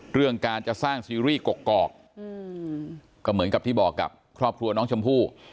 เรื่องการจะสร้างซีรีส์กอกก็เหมือนกับที่บอกกับครอบครัวน้องชมพู่